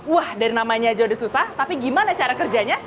wah dari namanya jodoh susah tapi gimana cara kerjanya